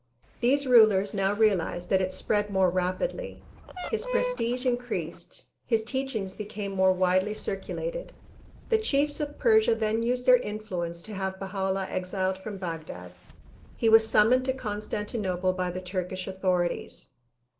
These rulers now realized that it spread more rapidly. His prestige increased, his teachings became more widely circulated. The chiefs of Persia then used their influence to have Baha 'Ullah exiled from Baghdad. He was sununoned to Con stantinople by the Turkish authorities.